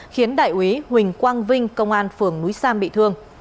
khiến đại úy huỳnh quang vinh công an phường núi sam bị thương